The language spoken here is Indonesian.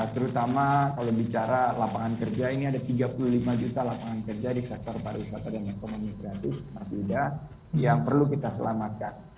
terutama kalau bicara lapangan kerja ini ada tiga puluh lima juta lapangan kerja di sektor pariwisata dan ekonomi kreatif mas yuda yang perlu kita selamatkan